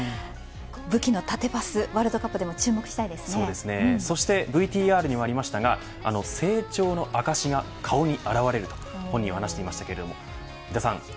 武器の縦パスワールドカップでもそしてＶＴＲにもありましたが成長の証が顔に表れると本人は話していました。